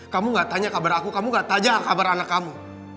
kamu gak tanya kabar aku kamu gak tanya kabar anak kamu